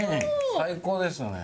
最高ですよね。